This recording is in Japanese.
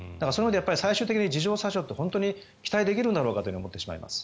最終的に自浄作用って本当に期待できるんだろうかと思ってしまいます。